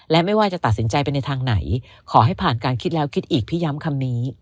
และไม่ว่าจะตัดสินใจไปในทางไหนขอให้ผ่านการคิดแล้วคิดอีกพี่ย้ำคำนี้